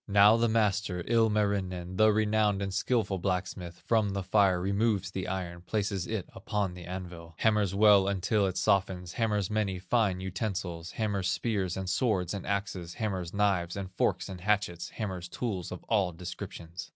"Now the master, Ilmarinen, The renowned and skilful blacksmith, From the fire removes the iron, Places it upon the anvil, Hammers well until it softens, Hammers many fine utensils, Hammers spears, and swords, and axes, Hammers knives, and forks, and hatchets, Hammers tools of all descriptions.